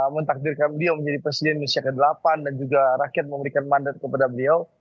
mentakdirkan beliau menjadi presiden indonesia ke delapan dan juga rakyat memberikan mandat kepada beliau